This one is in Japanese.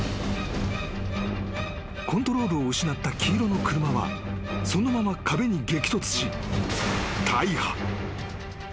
［コントロールを失った黄色の車はそのまま壁に激突し］